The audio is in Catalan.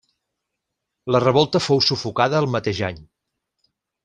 La revolta fou sufocada el mateix any.